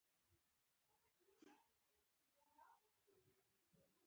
تر رسېدو وروسته يې خپل جنګيالي په وسلو سمبال کړل.